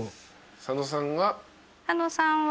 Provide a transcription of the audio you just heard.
佐野さんは。